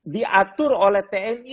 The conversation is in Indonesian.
diatur oleh tni